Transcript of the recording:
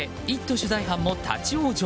取材班も立ち往生。